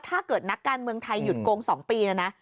ถ้าเกิดนักการเมืองไทยหยุดโกง๒ปีนะนะ